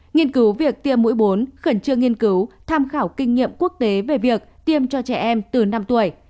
nghiên cứu việc tiêm mũi bốn khẩn trương nghiên cứu tham khảo kinh nghiệm quốc tế về việc tiêm cho trẻ em từ năm tuổi